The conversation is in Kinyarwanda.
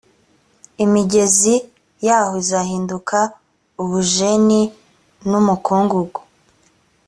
imigezi yaho izahinduka ubujeni n’umukungugu